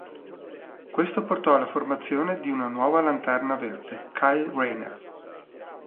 Questo portò alla formazione di una nuova Lanterna Verde, Kyle Rayner.